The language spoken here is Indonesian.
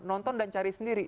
nonton dan cari sendiri